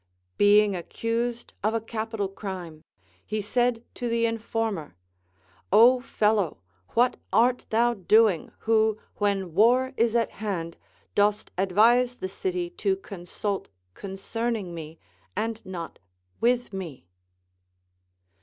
Being accused of a capital crime, he said to the informer : Ο fellow ! what art thou doin»•, Λνΐιο, when Avar is at hand, dost advise the city to consult con cerning me, and not with me